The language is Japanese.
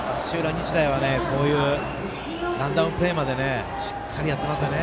日大は、こういうプレーまでしっかりやってますよね。